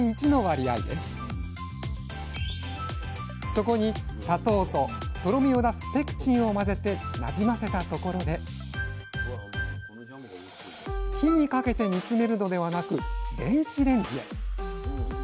そこに砂糖ととろみを出すペクチンを混ぜてなじませたところで火にかけて煮詰めるのではなく電子レンジへ。